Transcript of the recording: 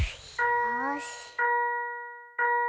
よし！